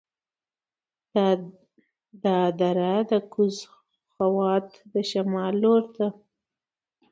دا دره د کوز خوات د شمال لور ته